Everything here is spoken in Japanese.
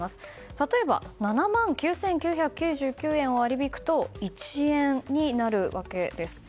例えば７万９９９９円を割り引くと１円になるわけです。